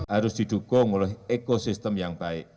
harus didukung oleh ekosistem yang baik